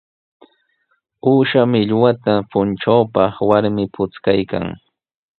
Uusha millwata punchupaq warmi puchkaykan.